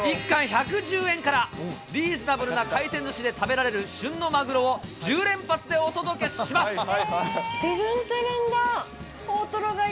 １貫１１０円から、リーズナブルな回転ずしで食べられる旬のマグロを１０連発でお届けします。